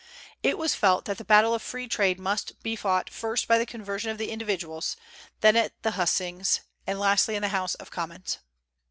"It was felt that the battle of free trade must be fought first by the conversion of individuals, then at the hustings, and lastly in the House of Commons."